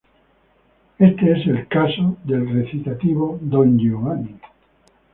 Este es el caso del recitativo "Don Giovanni!